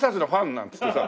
なんつってさ。